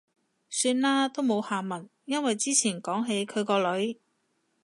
算喇，都冇下文。因為之前講起佢個女